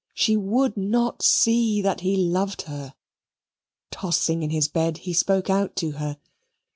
She would not see that he loved her. Tossing in his bed, he spoke out to her.